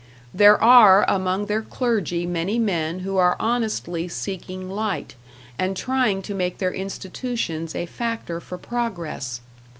There are among their clergy many men who are honestly seeking light, and trying to make their institutions a factor for progress.